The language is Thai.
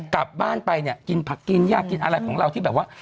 กลับบ้านไปเนี่ยกินผักกินยากกินอะไรของเราที่แบบว่า